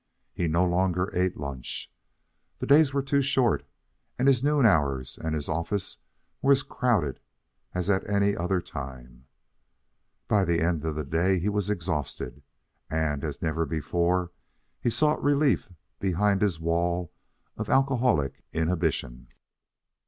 He no longer ate lunch. The days were too short, and his noon hours and his office were as crowded as at any other time. By the end of the day he was exhausted, and, as never before, he sought relief behind his wall of alcoholic inhibition.